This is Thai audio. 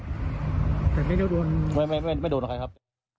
แต่ไม่ได้โดนไม่โดนใครครับ